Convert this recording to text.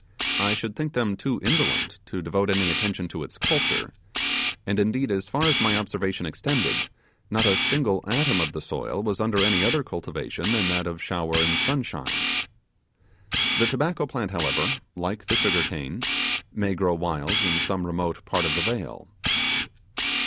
I should think them too indolent to devote any attention to its culture; and, indeed, as far as my observation extended, not a single atom of the soil was under any other cultivation than that of shower and sunshine. The tobacco plant, however, like the sugar cane, may grow wild in some remote part of the vale.